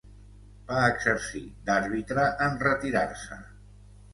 Va exercir d'àrbitre en retirar-se.